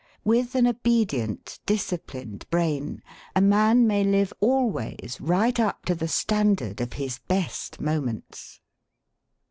With an obedient disciplined brain a man may live always right up to the standard of his best moments.